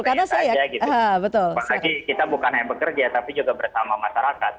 apalagi kita bukan hanya bekerja tapi juga bersama masyarakat